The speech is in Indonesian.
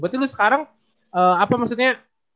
berarti lu sekarang apa maksudnya